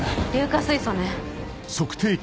硫化水素ね。